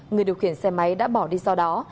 người điều khiển xe máy đã bỏ đi sau đó